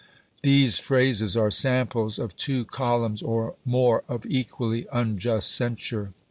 These phrases are samples of two columns or more of equally unjust censure.